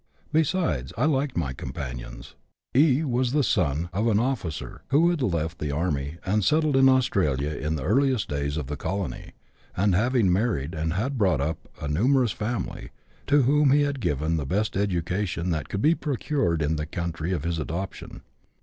Besides I liked my companion : E was the son of an officer, who had left the army and settled in Australia in the earliest days of the colony, and, having married, had brought up a numerous family, to whom he had given the best education that could be procured in the country of his adoption.